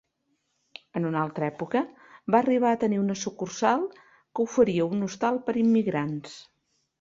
En una altra època va arribar a tenir una sucursal que oferia un hostal per a immigrants.